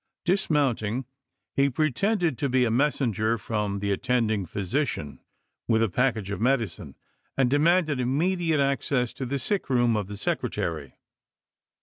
Dis mounting he pretended to be a messenger from the attending physician, with a package of medicine, and demanded immediate access to the sick room of the Secretary.